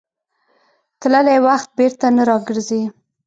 تللی وخت بېرته نه راګرځي.